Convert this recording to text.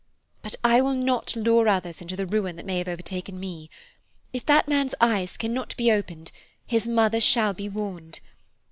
But I will not lure others into the ruin that may have overtaken me. If that man's eyes cannot be opened, his mother shall be warned.